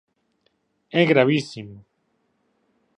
É gravísimo.